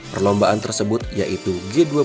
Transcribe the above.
perlombaan tersebut yaitu g dua puluh bi stronger fast